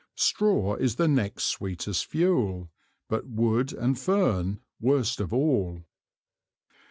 Straw is the next sweetest Fuel, but Wood and Fern worst of all.